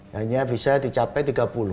hanya bisa dicapai